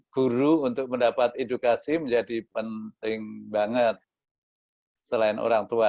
guru untuk mendapat edukasi menjadi penting banget selain orang tua